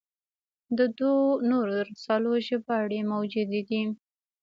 د دوو نورو رسالو ژباړې موجودې دي.